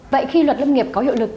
vậy khi luật lâm nghiệp có hiệu lực